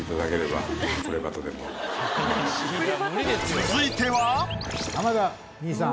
続いては。